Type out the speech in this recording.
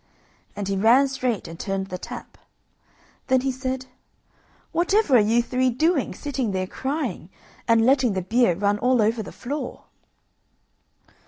And he ran straight and turned the tap. Then he said: "Whatever are you three doing, sitting there crying, and letting the beer run all over the floor?"